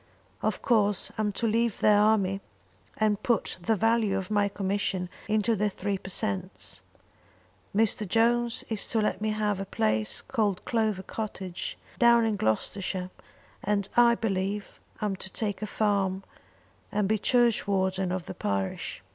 Of course I'm to leave the army and put the value of my commission into the three per cents. Mr. Jones is to let me have a place called Clover Cottage, down in Gloucestershire, and, I believe, I'm to take a farm and be churchwarden of the parish.